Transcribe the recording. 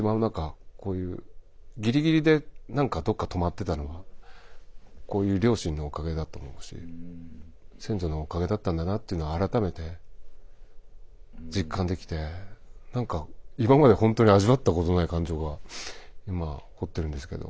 こういうギリギリで何かどっか止まってたのはこういう両親のおかげだと思うし先祖のおかげだったんだなというのを改めて実感できて何か今まで本当に味わったことのない感情が今起こってるんですけど。